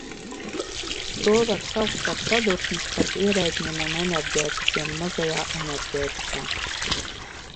To var saukt par sadursmi starp ierēdņiem un enerģētiķiem mazajā enerģētikā.